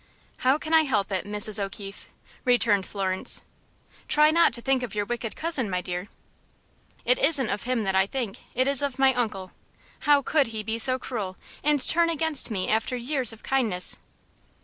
"How can I help it, Mrs. O'Keefe?" returned Florence. "Try not to think of your wicked cousin, my dear." "It isn't of him that I think it is of my uncle. How could he be so cruel, and turn against me after years of kindness?"